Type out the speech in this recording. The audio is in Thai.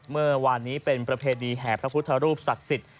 เมื่อวานนี้เป็นประเพณีแห่พระพุทธรูปศักดิ์สิทธิ